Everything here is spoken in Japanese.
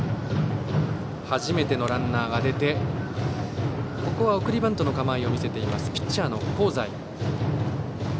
初めてのランナーが出て送りバントの構えを見せているピッチャーの香西。